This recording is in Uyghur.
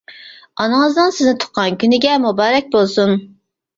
ئانىڭىزنىڭ سىزنى تۇغقان كۈنىگە مۇبارەك بولسۇن!